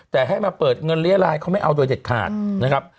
แต่ให้มาเปิดเงินเรียรายเขาไม่เอาโดยเด็ดขาดนะครับ